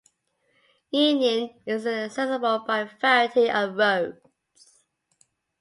Union is accessible by a variety of roads.